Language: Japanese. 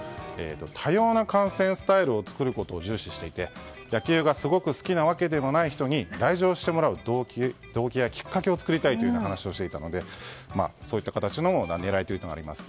多様な観戦スタイルを作ることを重視していて野球がすごく好きなわけでもない人に、来場してもらう動機やきっかけを作りたいと話していたのでそういった形の狙いがあります。